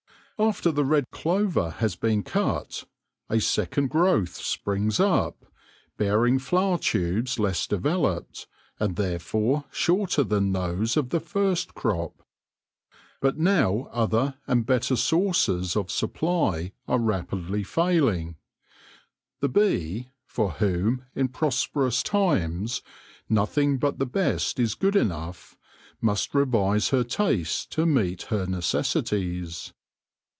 After the red clover has been cut, a second growth springs up, bearing flower tubes less developed, and therefore shorter than those of the first crop. But now other and better sources of supply are rapidly failing. The bee — for whom, in prosperous times, nothing but the best is good enough— must revise her tastes to meet her necessities.